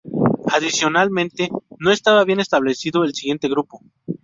Adicionalmente no está bien establecido el siguiente grupoː